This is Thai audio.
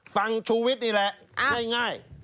ฟังชวิตนี่แหละง่ายได้ค่ะ